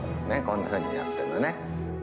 こんなふうになってんのね。